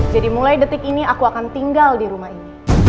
jadi mulai detik ini aku akan tinggal di rumah ini